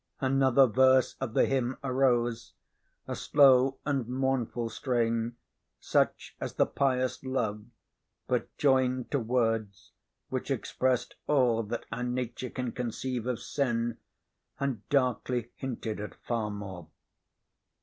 Another verse of the hymn arose, a slow and mournful strain, such as the pious love, but joined to words which expressed all that our nature can conceive of sin, and darkly hinted at far more.